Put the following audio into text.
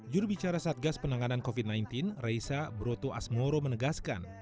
jurubicara satgas penanganan covid sembilan belas raisa broto asmoro menegaskan